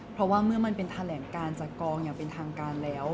เพราะว่าเมื่อมันเป็นแถลงการจากกองอย่างเป็นทางการแล้ว